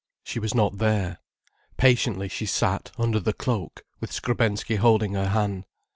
She was not there. Patiently she sat, under the cloak, with Skrebensky holding her hand.